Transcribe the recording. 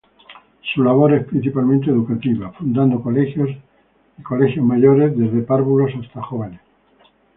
Su labor es principalmente educativa, fundando colegios y colegios mayores, desde párvulos hasta jóvenes.